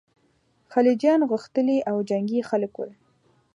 خلجیان غښتلي او جنګي خلک ول.